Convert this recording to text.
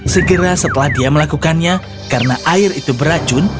segera setelah dia melakukannya karena air itu beracun